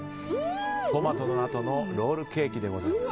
トマトのあとのロールケーキでございます。